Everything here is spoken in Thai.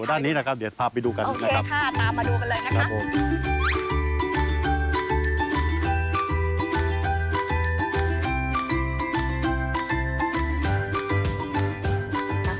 อยู่ด้านนี้นะครับเดี๋ยวพาไปดูกันนะครับโอเคค่ะตามมาดูกันเลยนะคะครับโอเค